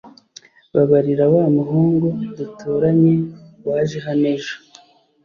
Babarira wa muhungu duturanye waje hano ejo